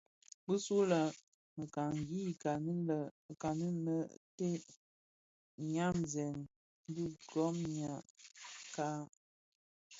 Bisule le mekani kani mè dheteb byamzèn dhiguňa kka.